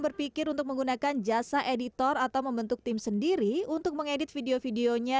berpikir untuk menggunakan jasa editor atau membentuk tim sendiri untuk mengedit video videonya